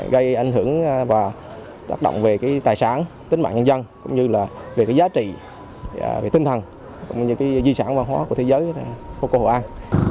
gây ảnh hưởng và tác động về tài sản tính mạng nhân dân giá trị tinh thần di sản văn hóa của thế giới phố cổ hội an